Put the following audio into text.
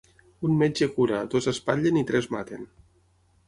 Un metge cura, dos espatllen i tres maten.